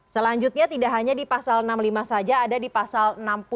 selanjutnya tidak hanya di pasal enam puluh lima saja ada di pasal enam puluh